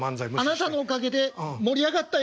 「あなたのおかげで盛り上がったよ」。